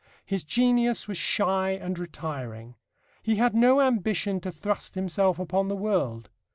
His genius was shy and retiring. He had no ambition to thrust himself upon the world.